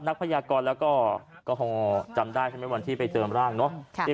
พยากรแล้วก็พอจำได้ใช่ไหมวันที่ไปเจอร่างเนาะ